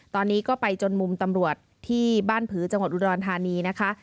ตอนนี้ก็ไปจนมุมตำรวจที่บ้านผือจังหวัดอุดรธานีนะคะ